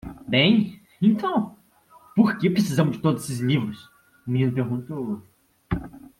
"Bem? então? por que precisamos de todos esses livros?" o menino perguntou.